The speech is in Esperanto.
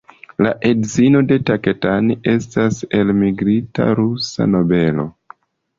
La edzino de Taketani estas elmigrinta rusa nobelo.